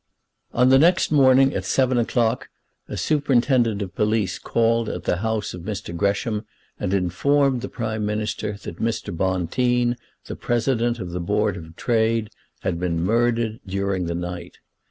On the next morning at seven o'clock a superintendent of police called at the house of Mr. Gresham and informed the Prime Minister that Mr. Bonteen, the President of the Board of Trade, had been murdered during the night.